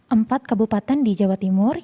empat kabupaten di jawa timur